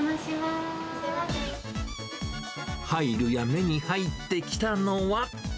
入るや、目に入ってきたのは。